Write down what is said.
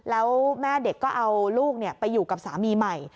แล้วแม่เด็กก็เอาลูกไปอยู่กับสามีใหม่